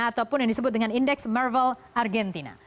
ataupun yang disebut dengan indeks marvel argentina